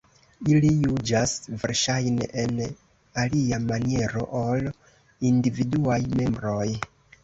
Ili juĝas verŝajne en alia maniero ol individuaj membroj.